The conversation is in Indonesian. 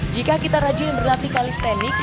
jika kita rajin berlatih kalistanics